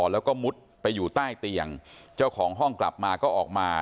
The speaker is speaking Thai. แล้วก็มุดไปอยู่ใต้เตียงเจ้าของห้องกลับมาก็ออกมา